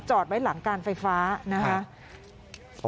ไว้หลังการไฟฟ้านะคะ